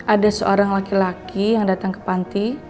ada seorang laki laki yang datang ke panti